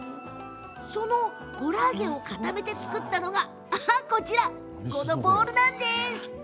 そのコラーゲンを固めて作ったのがこのボールなんです。